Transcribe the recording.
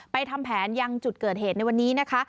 ทำแผนยังจุดเกิดเหตุในวันนี้นะคะ